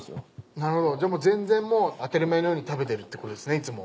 なるほどじゃあ全然もう当たり前のように食べてるってことですねいつも。